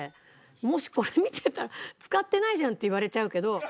もしこれ見てたら使ってないじゃんって言われちゃうけど。